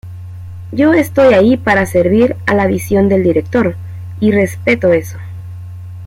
Yo estoy ahí para servir a la visión del director, y respeto eso.